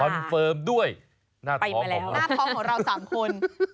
คอนเฟิร์มด้วยหน้าท้องของเรา๓คน